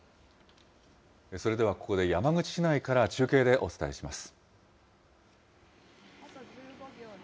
それではここで山口市内から中継でお伝えします。